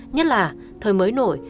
nhất là thời mới nổi